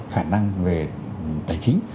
khả năng về tài chính